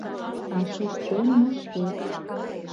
А шоктен моштет...